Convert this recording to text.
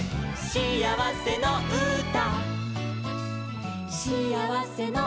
「しあわせのうた」